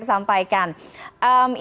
oke saya akan sampaikan